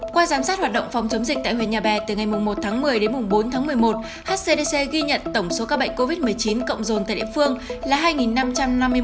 qua giám sát hoạt động phòng chống dịch tại huyện nhà bè từ ngày một một mươi đến bốn một mươi một hcdc ghi nhận tổng số ca bệnh covid một mươi chín cộng dồn tại địa phương là hai năm trăm năm mươi một ca